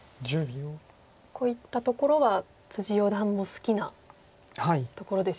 こういったところは四段も好きなところですよね。